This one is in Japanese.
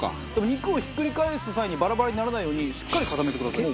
肉をひっくり返す際にバラバラにならないようにしっかり固めてください。